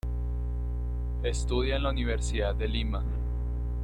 Estudia en la Universidad de Lima.